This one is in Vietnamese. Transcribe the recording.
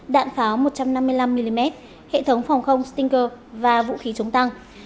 đạn pháo một trăm năm mươi năm mm hệ thống phòng không stinger và vũ khí chống tăng